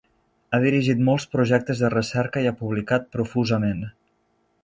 Ha dirigit molts projectes de recerca i ha publicat profusament.